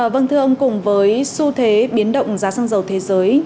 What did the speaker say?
vâng thưa ông cùng với xu thế biến động giá xăng dầu thế giới